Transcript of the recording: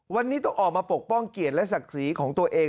วันนี้ต้องออกมาปกป้องเกียรติและศักดิ์ศรีของตัวเอง